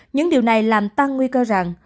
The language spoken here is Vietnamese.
những điều này làm tăng nguy cơ rằng